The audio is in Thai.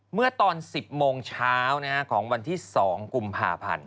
เมื่อตอน๑๐โมงเช้าของวันที่๒กุมภาพันธ์